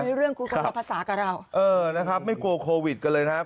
ไม่รู้เรื่องคุยกับเราภาษากับเราเออนะครับไม่กลัวโควิดกันเลยนะครับ